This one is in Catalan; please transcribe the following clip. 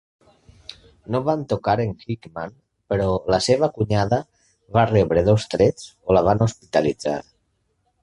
No van tocar en Hickmann, però la seva cunyada va rebre dos trets o la van hospitalitzar.